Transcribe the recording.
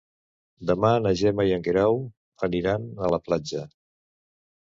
Demà na Gemma i en Guerau aniran a la platja.